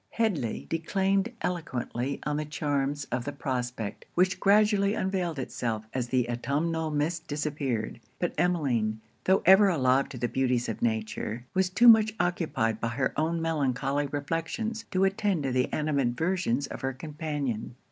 Headly declaimed eloquently on the charms of the prospect, which gradually unveiled itself as the autumnal mist disappeared. But Emmeline, tho' ever alive to the beauties of nature, was too much occupied by her own melancholy reflections to attend to the animadversions of her companion.